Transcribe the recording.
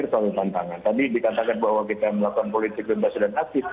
tadi dikatakan bahwa kita melakukan politik bebas dan aktif